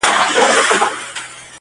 موږ یو چي د دې په سر کي شور وینو!